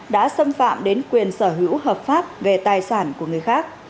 đã xâm phạm đến quyền sở hữu hợp pháp về tài sản của người khác